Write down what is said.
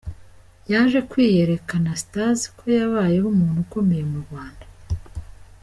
Yaje kwiyereka Anastase ko yabayeho umuntu ukomeye mu Rwanda.